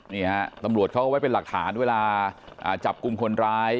นี่ฮะตำรวจเขาไว้เป็นหลักฐานเวลาจับกลุ่มคนร้าย